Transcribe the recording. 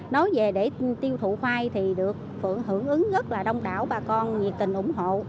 nói về để tiêu thụ khoai thì được phượng hưởng ứng rất là đông đảo bà con nhiệt tình ủng hộ